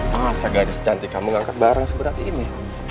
masa gak ada secantik kamu ngangkat barang seberat ini